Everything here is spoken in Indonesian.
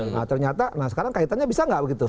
nah ternyata nah sekarang kaitannya bisa nggak begitu